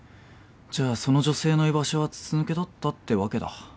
じゃあその女性の居場所は筒抜けだったってわけだ。